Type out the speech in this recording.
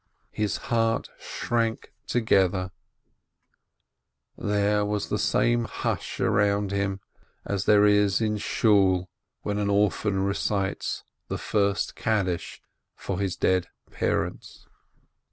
his heart shrank together; there was the same hush round about him as there is in Shool when an orphan recites the first "Sanctification" for his dead parents.